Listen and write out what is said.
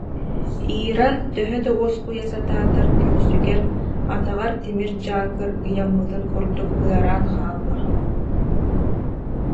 Ира, төһө да уоскуйа сатаатар, көхсүгэр, атаҕар тимир дьаакыр ыйаммытын курдук ыараан хаалла